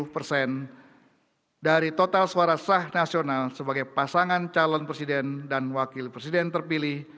lima puluh persen dari total suara sah nasional sebagai pasangan calon presiden dan wakil presiden terpilih